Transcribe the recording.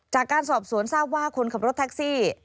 จากการสอบสวนทราบว่าคนขับรถแท็กซี่